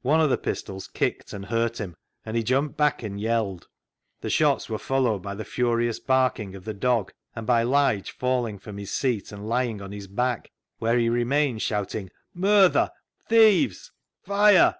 One of the pistols kicked and hurt him, and he jumped back and yelled. The shots were followed by the furious barking of the dog, and by Lige falling from his seat and lying on his back, where he remained shouting, " Murther ! Thieves ! Fire